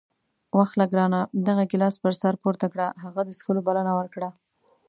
واخله ګرانه دغه ګیلاس پر سر پورته کړه. هغه د څښلو بلنه ورکړه.